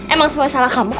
emang semuanya salah kamu kok